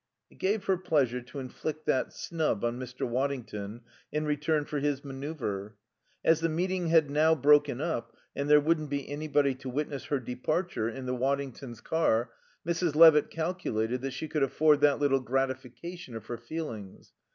It gave her pleasure to inflict that snub on Mr. Waddington in return for his manoeuvre. As the meeting had now broken up, and there wouldn't be anybody to witness her departure in the Waddingtons' car, Mrs. Levitt calculated that she could afford that little gratification of her feelings.